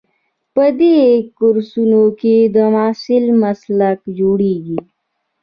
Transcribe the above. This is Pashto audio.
په دې کورسونو کې د محصل مسلک جوړیږي.